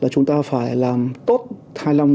chúng ta phải làm tốt thai lòng